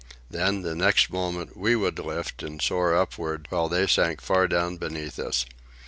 Then, the next moment, we would lift and soar upward while they sank far down beneath us.